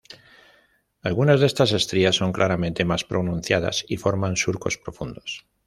Algunas de estas estrías son claramente más pronunciadas y forman surcos profundos.